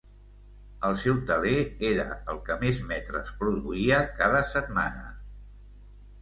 El seu teler era el que més metres produïa cada setmana.